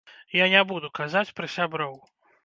Я не буду казаць пра сяброў.